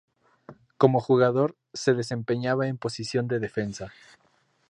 Como jugador se desempeñaba en posición de defensa.